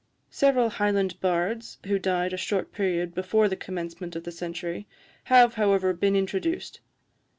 Several Highland bards who died a short period before the commencement of the century have, however, been introduced.